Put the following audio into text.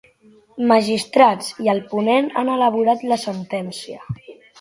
Magistrats i el ponent han elaborat la sentència.